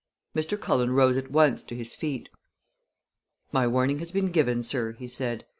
Mr. Cullen rose at once to his feet. "My warning has been given, sir," he said.